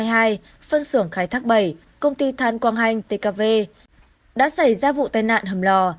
phân xưởng khai thác bảy công ty than quang hanh tkv đã xảy ra vụ tên nạn hầm lò